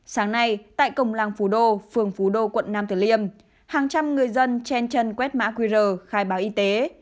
sáng nay tại cổng làng phú đô phường phú đô quận nam tử liêm hàng trăm người dân trên chân quét mã qr khai báo y tế